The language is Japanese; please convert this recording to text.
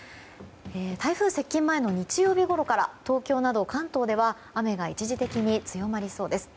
台風接近前の日曜日ごろから東京など関東では、雨が一時的に強まりそうです。